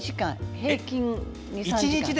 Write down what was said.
平均２３時間。